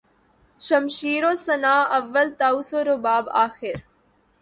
شمشیر و سناں اول طاؤس و رباب آخر